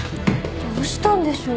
どうしたんでしょう？